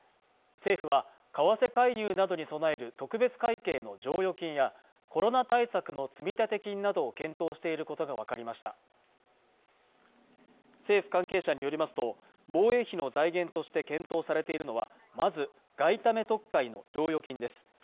政府は為替介入などに備える特別会計の剰余金やコロナ対策の積立金などを検討していることが分かりました政府関係者によりますと防衛費の財源として検討されているのはまず外為特会の剰余金です